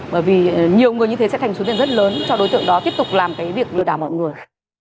bởi vì nhiều người như thế sẽ thành số tiền rất lớn cho đối tượng đó tiếp tục làm việc lừa đảo mọi người